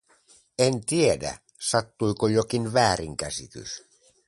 En tiedä, sattuiko jokin väärinkäsitys.